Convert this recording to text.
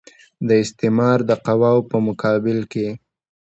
د استعمار د قواوو په مقابل کې.